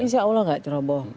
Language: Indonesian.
insya allah tidak ceroboh